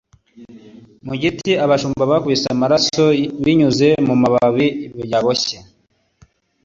mu giti! abashumba bakubise amaraso binyuze mumababi yaboshye!